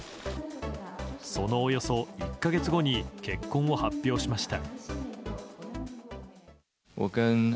そのおよそ１か月後に結婚を発表しました。